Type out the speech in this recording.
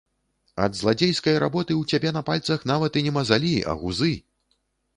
Ад зладзейскай работы ў цябе на пальцах нават і не мазалі, а гузы!